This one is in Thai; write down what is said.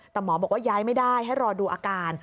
แต่หมอบอกว่าย้ายไม่ได้ให้รอดูอาการ